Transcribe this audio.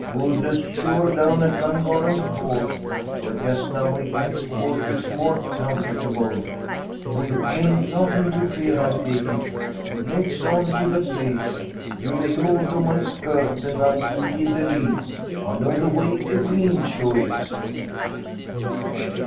Good as sure down at Llangorren Court, where just now he finds quarters more comfortable. We hain't nothin' to fear, I take it. Let's on to the place. You lay hold o' my skirt, and I'll gie ye the lead. I know the way, every inch o' it."